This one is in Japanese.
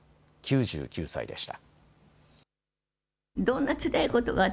９９歳でした。